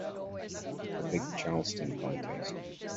The big Charleston contest.